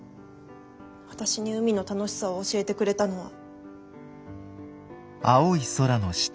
私に海の楽しさを教えてくれたのは。